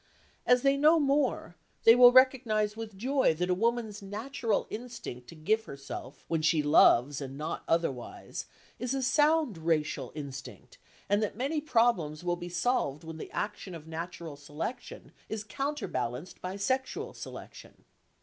As they know more, they will recognise with joy that a woman's natural instinct to give herself when she loves and not otherwise, is a sound racial instinct, and that many problems will be solved when the action of natural selection is counter balanced by sexual selection.